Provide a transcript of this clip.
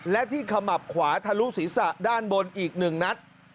และที่ขมับขวาทะลุศีรษะด้านบนอีก๑นัด